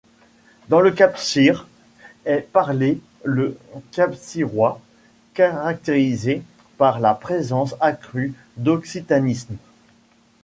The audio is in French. Dans le Capcir est parlé le capcirois, caractérisé par la présence accrue d'occitanismes.